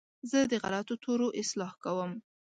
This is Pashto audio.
زه د غلطو تورو اصلاح کوم.